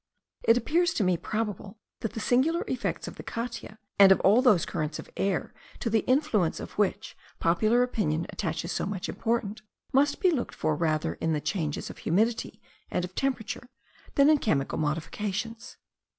It appears to me probable, that the singular effects of the catia, and of all those currents of air, to the influence of which popular opinion attaches so much importance, must be looked for rather in the changes of humidity and of temperature, than in chemical modifications.